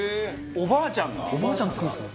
おばあちゃん作るんですね。